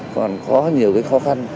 còn có nhiều cái khó khăn